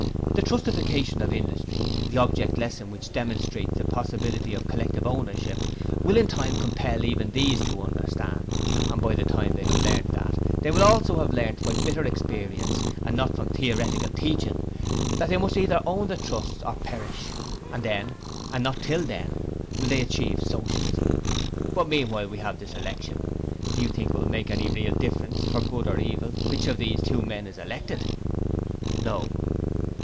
The trustification of industry the object lesson which demonstrates the possibility of collective ownership will in time compel even these to understand, and by the time they have learnt that, they will also have learned by bitter experience and not from theoretical teaching, that they must either own the trusts or perish, and then, and not, till then, they will achieve Socialism. But meanwhile we have this election. Do you think it will make any real difference for good or evil which of these two men is elected?' 'No.'